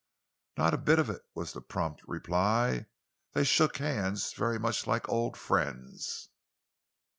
"Not a bit of it," was the prompt reply. "They shook hands very much like old friends."